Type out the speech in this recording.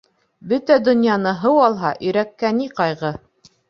Бөтә донъяны һыу алһа, өйрәккә ни ҡайғы?